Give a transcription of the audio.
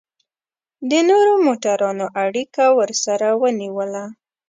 د نورو موټرانو اړیکه ورسره ونیوله.